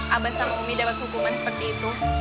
abah sama umi dapet hukuman seperti itu